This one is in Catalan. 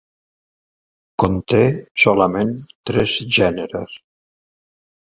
Conté solament tres gèneres.